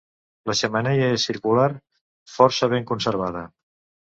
La xemeneia és circular, força ben conservada.